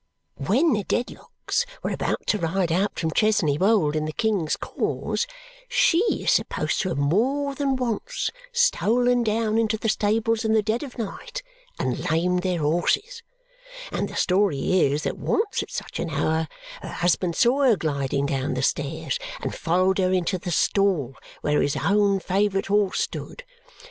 When the Dedlocks were about to ride out from Chesney Wold in the king's cause, she is supposed to have more than once stolen down into the stables in the dead of night and lamed their horses; and the story is that once at such an hour, her husband saw her gliding down the stairs and followed her into the stall where his own favourite horse stood.